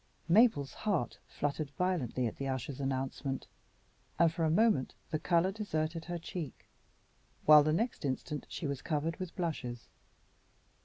Mabel's heart fluttered violently at the usher's announcement, and for a moment the colour deserted her cheek, while the next instant she was covered with blushes.